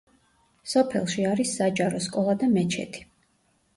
სოფელში არის საჯარო სკოლა და მეჩეთი.